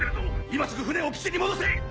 今すぐ船を基地に戻せ！